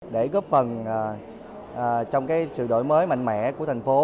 để góp phần trong sự đổi mới mạnh mẽ của thành phố